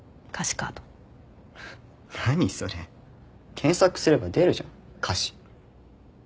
検索すれば出るじゃん歌詞。